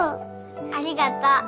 ありがとう。